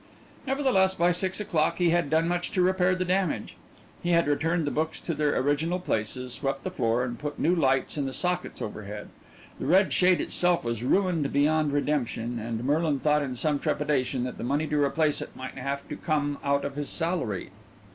Nevertheless by six o'clock he had done much to repair the damage. He had returned the books to their original places, swept the floor, and put new lights in the sockets overhead. The red shade itself was ruined beyond redemption, and Merlin thought in some trepidation that the money to replace it might have to come out of his salary.